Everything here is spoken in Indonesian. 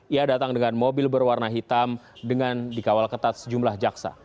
ia datang dengan mobil berwarna hitam dengan dikawal ketat sejumlah jaksa